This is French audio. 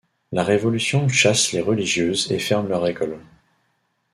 La Révolution chasse les religieuses et ferme leur école.